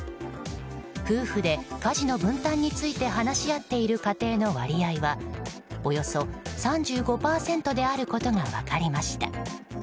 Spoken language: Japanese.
夫婦で家事の分担について話し合っている家庭の割合はおよそ３５％であることが分かりました。